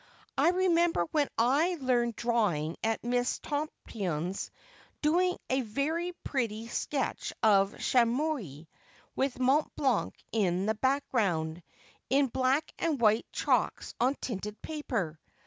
I remember, when I learned drawing at Miss Tompion's, doing a very pretty sketch of Chamouni, with Mont Blanc in the background, in black and white chalks on tinted paper.